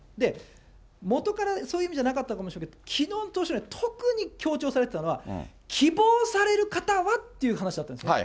もとからそういう意味じゃなかったかもしれない、きのうの党首討論、特に強調されてたのは、希望される方はっていう話だったんですよ。